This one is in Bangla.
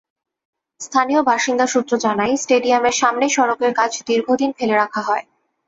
স্থানীয় বাসিন্দা সূত্র জানায়, স্টেডিয়ামের সামনের সড়কের কাজ দীর্ঘদিন ফেলে রাখা হয়।